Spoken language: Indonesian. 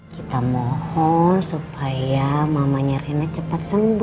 kita mohon supaya mamanya rena cepat sembuh